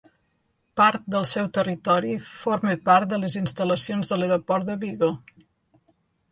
Part del seu territori forma part de les instal·lacions de l'Aeroport de Vigo.